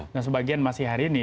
nah sebagian masih hari ini